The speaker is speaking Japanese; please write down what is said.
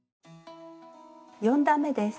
４段めです。